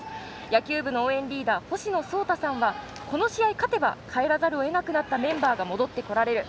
野球部の応援リーダーほしのそうたさんはこの試合、勝てば、帰らざるを得なくなったメンバーが戻ってこられる。